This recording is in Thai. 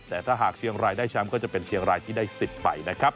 แต่ถ้าหากเชียงรายได้แชมป์ก็จะเป็นเชียงรายที่ได้สิทธิ์ไปนะครับ